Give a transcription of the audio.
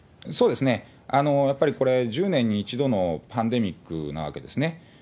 やっぱりこれ、１０年に１度のパンデミックなわけですね。